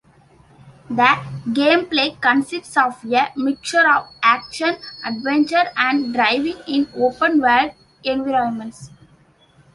The gameplay consists of a mixture of action-adventure and driving in open world environments.